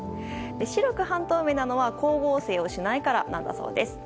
白く半透明なのは光合成をしないからだそうです。